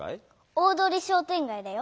大通りしょうてんがいだよ。